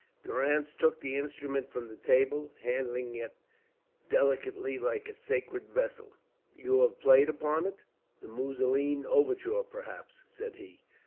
Durrance took the instrument from the table, handling it delicately, like a sacred vessel. "You have played upon it? The Musoline overture, perhaps," said he.